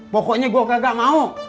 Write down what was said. pokoknya gue kagak mau